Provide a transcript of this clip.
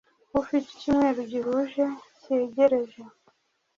Ufite icyumweru gihuze cyegereje